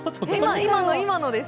今の、今のです。